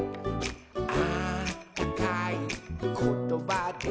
「あったかいことばで」